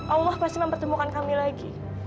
allah masih mempertemukan kami lagi